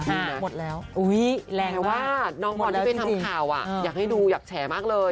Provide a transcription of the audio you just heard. หมดแล้วอุ้ยแรงมากแหละว่าน้องบอลที่เป็นทำข่าวอ่ะอยากให้ดูอยากแฉมากเลย